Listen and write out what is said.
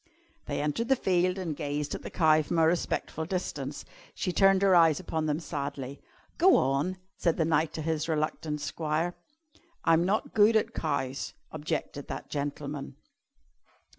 They entered the field and gazed at the cow from a respectful distance. She turned her eyes upon them sadly. "Go on!" said the knight to his reluctant squire. "I'm not good at cows," objected that gentleman.